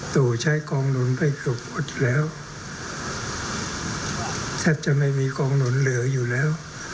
ตู่ใช้กองหนุนไปเกือบหมดแล้วแทบจะไม่มีกองหนุนเหลืออยู่แล้ว